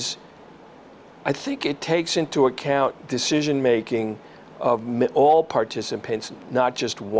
saya pikir memperhatikan pembuatan keputusan semua partisipan bukan hanya satu